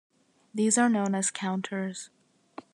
These are known as counters.